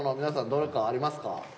皆さんどれかありますか？